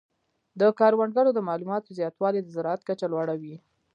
د کروندګرو د معلوماتو زیاتوالی د زراعت کچه لوړه وي.